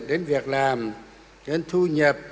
đến việc làm đến thu nhập